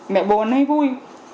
mẹ buồn hay vui